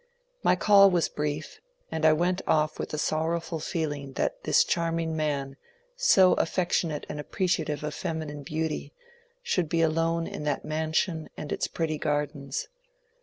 My call was brief, and I went off with a sorrowful feeling that this charming man, so affectionate and apprecia tive of feminine beauty, should be alone in that mansion and its pretty gardens.